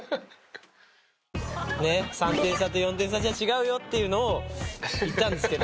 ３点差と４点差じゃ違うよっていうのを言ったんですけど。